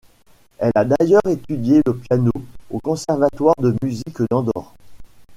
Elle a d'ailleurs étudié le piano au conservatoire de musique d'Andorre.